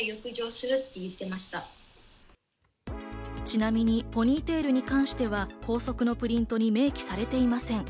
ちなみにポニーテールに関しては校則のプリントに明記されていません。